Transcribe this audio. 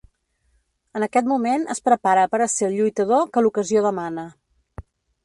En aquest moment es prepara per a ser el lluitador que l'ocasió demana.